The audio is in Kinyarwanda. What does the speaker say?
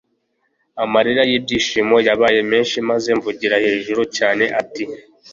amarira yibyishimo yabaye menshi maze mvugira hejuru cyane ati